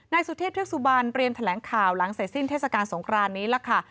สุเทพเทือกสุบันเตรียมแถลงข่าวหลังเสร็จสิ้นเทศกาลสงครานนี้ล่ะค่ะ